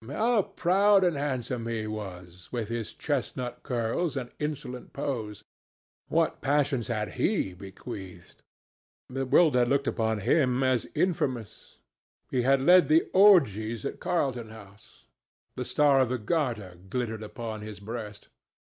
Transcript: How proud and handsome he was, with his chestnut curls and insolent pose! What passions had he bequeathed? The world had looked upon him as infamous. He had led the orgies at Carlton House. The star of the Garter glittered upon his breast.